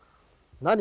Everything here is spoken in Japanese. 何？